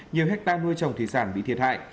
nhiều hectare nuôi trồng thủy sản bị thiệt hại